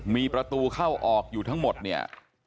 มีประตูเข้าออกอยู่ทั้งหมดเนี่ย